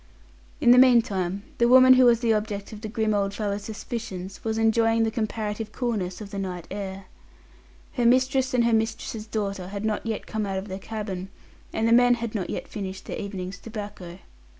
In the meantime the woman who was the object of the grim old fellow's suspicions was enjoying the comparative coolness of the night air. Her mistress and her mistress's daughter had not yet come out of their cabin, and the men had not yet finished their evening's tobacco.